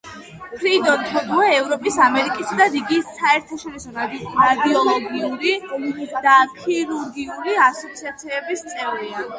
ფრიდონ თოდუა ევროპის, ამერიკისა და რიგი საერთაშორისო რადიოლოგიური და ქირურგიული ასოციაციების წევრია.